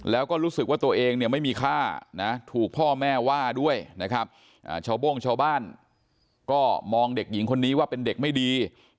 แล้วก็รู้สึกว่าตัวเองเนี่ยไม่มีค่านะถูกพ่อแม่ว่าด้วยนะครับชาวโบ้งชาวบ้านก็มองเด็กหญิงคนนี้ว่าเป็นเด็กไม่ดี